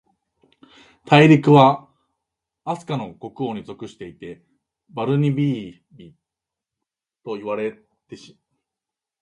大陸は、飛島の国王に属していて、バルニバービといわれています。首府はラガードと呼ばれています。私は地上におろされて、とにかく満足でした。